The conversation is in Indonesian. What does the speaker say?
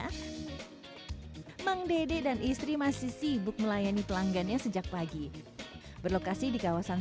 hai mang dede dan istri masih sibuk melayani pelanggan yang sejak pagi berlokasi di kawasan